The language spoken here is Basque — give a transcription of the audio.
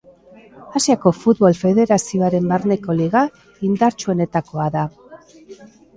Asiako Futbol Federazioaren barneko liga indartsuenetakoa da.